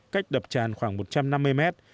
cách đập tràn khoảng một trăm năm mươi mét